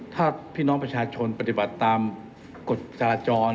ถ้าพี่น้องประชาชนปฏิบัติตามกฎจราจร